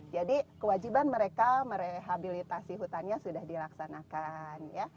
jadi kewajiban mereka merehabilitasi hutannya sudah dilaksanakan